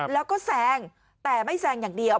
แล้วก็แซงแต่ไม่แซงอย่างเดียว